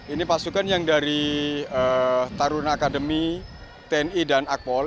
ini pasukan yang dari taruna akademi tni dan akpol